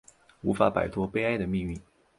无法摆脱悲哀的命运